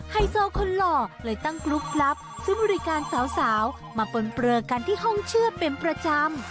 ไฮโซคนหล่อเลยตั้งกรุ๊ปลับซื้อบริการสาวมาปนเปลือกันที่ห้องเชื่อเป็นประจำ